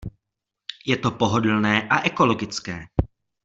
Je to pohodlné a ekologické.